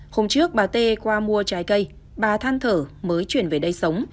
hôm trước bà tê qua mua trái cây bà than thở mới chuyển về đây sống